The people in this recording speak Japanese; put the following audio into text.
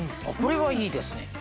これはいいですね。